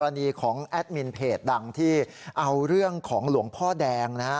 อันนี้ของแอดมินเพจดังที่เอาเรื่องของหลวงพ่อแดงนะฮะ